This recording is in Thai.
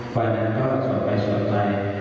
ฝ่านั้นก็ส่วนไปส่วนใจ